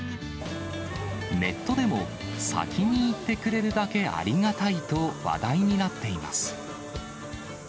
ネットでも先に言ってくれるだけありがたいと話題になっています。